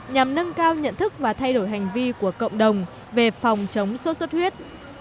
nhằm nâng cao nhận thức và thay đổi hành vi của cộng đồng về phòng chống suốt suốt huyết